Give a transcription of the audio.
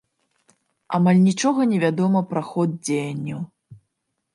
Амаль нічога не вядома пра ход дзеянняў.